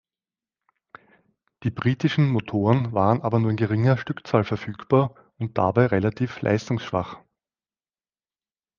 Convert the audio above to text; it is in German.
Die britischen Motoren waren aber nur in geringer Stückzahl verfügbar und dabei relativ leistungsschwach.